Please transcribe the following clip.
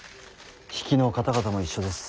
比企の方々も一緒です。